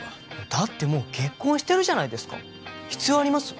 だってもう結婚してるじゃないですか必要あります？